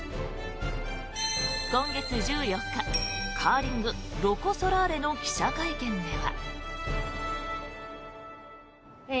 今月１４日、カーリングロコ・ソラーレの記者会見では。